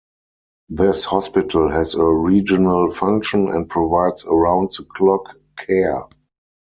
This hospital has a regional function and provides around-the-clock care.